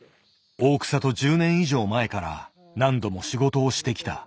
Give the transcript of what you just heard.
大草と１０年以上前から何度も仕事をしてきた。